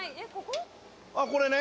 あっこれね。